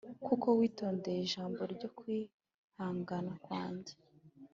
Kuko witondeye ijambo ryo kwihangana kwanjye